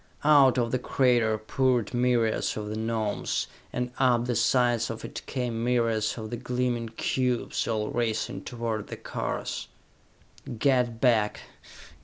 Out of the crater poured myriads of the Gnomes, and up the sides of it came myriads of the gleaming cubes, all racing toward the cars. "Get back!